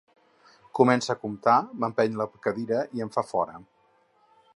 Comença a comptar, m’empeny la cadira i em fa fora.